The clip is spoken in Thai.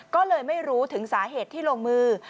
ก็เลยไม่รู้ถึงสาเหตุที่ลงมือ